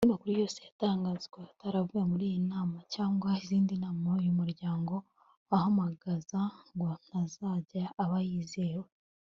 Andi makuru yose yatangazwa ataravuye muri iyi nama cyangwa izindi nama uyu muryango wahamagaza ngo ntazajya aba yizewe